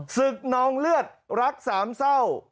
นองเลือดรักสามเศร้า